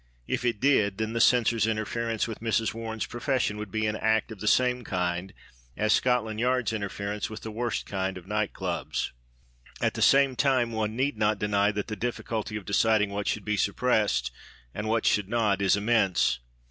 If it did, then the Censor's interference with Mrs Warren's Profession would be an act of the same kind as Scotland Yard's interference with the worst kind of night clubs. At the same time, one need not deny that the difficulty of deciding what should be suppressed and what should not is immense.